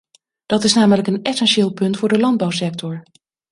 Dat is namelijk een essentieel punt voor de landbouwsector.